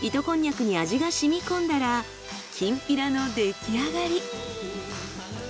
こんにゃくに味が染み込んだらきんぴらの出来上がり。